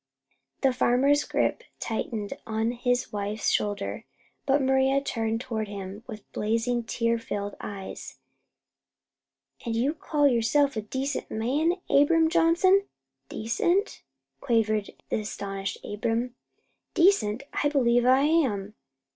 The farmer's grip tightened on his wife's shoulder, but Maria turned toward him with blazing, tear filled eyes. "An' you call yourself a decent man, Abram Johnson?" "Decent?" quavered the astonished Abram. "Decent? I believe I am."